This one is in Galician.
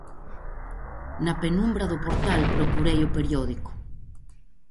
Na penumbra do portal procurei o periódico.